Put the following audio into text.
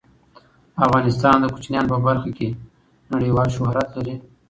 افغانستان د کوچیانو په برخه کې نړیوال شهرت لري.